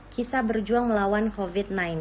kisah berjuang melawan covid sembilan belas